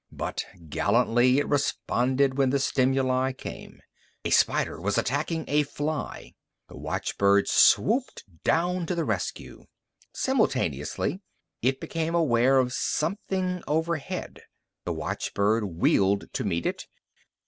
But gallantly it responded when the stimuli came. A spider was attacking a fly. The watchbird swooped down to the rescue. Simultaneously, it became aware of something overhead. The watchbird wheeled to meet it.